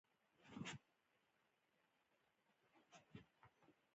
یوسف مایک زموږ بل ملګري طارق ته وړاندې کړ.